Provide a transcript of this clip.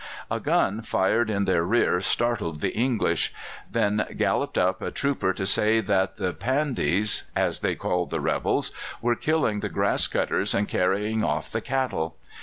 A gun fired in their rear startled the English; then galloped up a trooper to say that the Pandies (as they called the rebels) were killing the grass cutters and carrying off the cattle.